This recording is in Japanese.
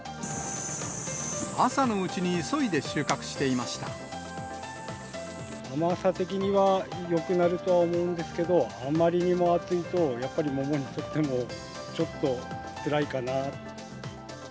朝のうちに急いで収穫してい甘さ的にはよくなるとは思うんですけど、あまりにも暑いと、やっぱり桃にとってもちょっとつらいかな。